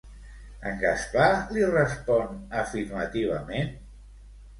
En Gaspar li respon afirmativament?